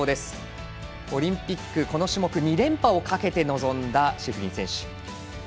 オリンピック、この種目２連覇をかけて臨んだシフリン選手。